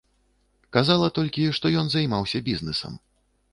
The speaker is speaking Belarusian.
Казала толькі, што ён займаўся бізнэсам.